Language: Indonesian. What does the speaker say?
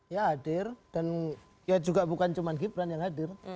ya hadir dan ya juga bukan cuma gibran yang hadir